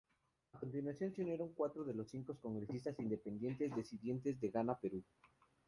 A continuación se unieron cuatro de los cinco congresistas independientes disidentes de Gana Perú.